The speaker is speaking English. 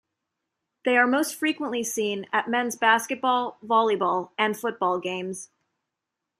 They are most frequently seen at Men's basketball, volleyball, and football games.